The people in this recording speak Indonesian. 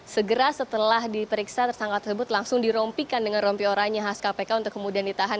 segera setelah diperiksa tersangka tersebut langsung dirompikan dengan rompi oranya khas kpk untuk kemudian ditahan